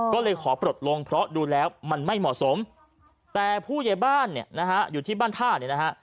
ก็เลยขอปลดลงเพราะดูแล้วมันไม่เหมาะสมแต่ผู้ใหญ่บ้านเนี่ยนะฮะอยู่ที่บ้านท่าเนี่ยนะฮะ